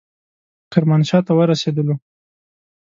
کرمانشاه ته ورسېدلو.